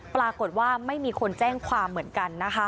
ปรากฏว่าไม่มีคนแจ้งความเหมือนกันนะคะ